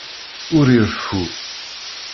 Ur ireffu.